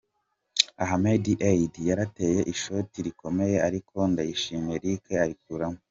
' Ahmed Eid yarateye ishoti rikomeye ariko Ndayishimiye Eric arikuramo.